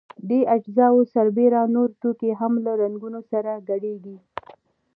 دې اجزاوو سربېره نور توکي هم له رنګونو سره ګډیږي.